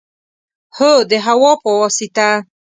هو، د هوا په واسطه